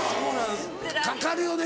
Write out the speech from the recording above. かかるよね